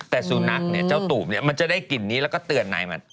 แต่สูงหนักเจ้าตูบมันจะได้กลิ่นนี้แล้วก็เตือนนายมา